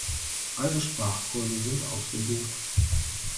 Alle Sprachkurse sind ausgebucht.